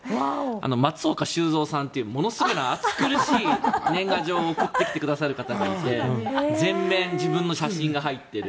松岡修造さんというものすごい暑苦しい年賀状を送ってきてくださる方がいて全面、自分の写真が入ってる。